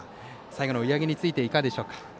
最後の追い上げについていかがですか。